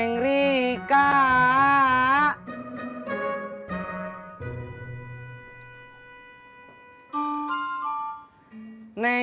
gak ada apa apa